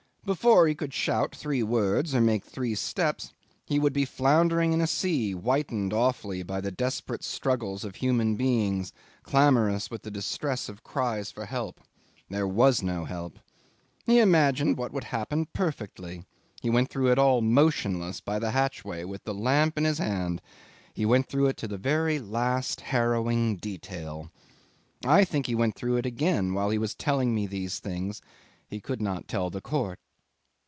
Before he could shout three words, or make three steps, he would be floundering in a sea whitened awfully by the desperate struggles of human beings, clamorous with the distress of cries for help. There was no help. He imagined what would happen perfectly; he went through it all motionless by the hatchway with the lamp in his hand he went through it to the very last harrowing detail. I think he went through it again while he was telling me these things he could not tell the court.